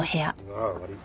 ああ悪い。